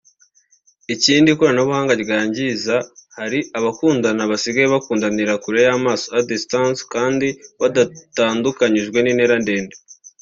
Ikindi ikoranabuhanga ryangiza ni ukuba hari abakundana basigaye bakundanira kure yamaso (a distance) kandi badatandukanyijwe n’intera ndende